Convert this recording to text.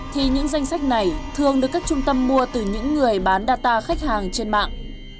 thì những danh sách này thường được các trung tâm mua từ những người bán data khách hàng trên mạng